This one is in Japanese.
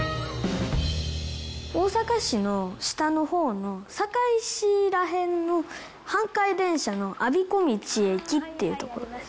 大阪市の下のほうの、堺市ら辺の阪堺電車の我孫子道駅っていう所です。